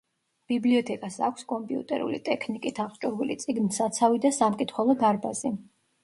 ბიბლიოთეკას აქვს კომპიუტერული ტექნიკით აღჭურვილი წიგნთსაცავი და სამკითხველო დარბაზი.